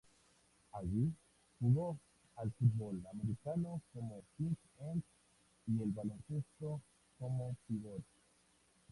Allí jugó al fútbol americano como tight end y al baloncesto como pívot.